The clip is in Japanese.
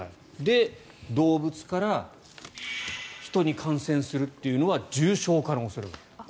動物から人に感染するというのは重症化の恐れがある。